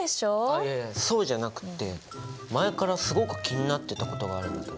いやいやそうじゃなくって前からすごく気になってたことがあるんだけど。